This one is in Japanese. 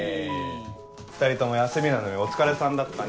２人とも休みなのにお疲れさんだったね。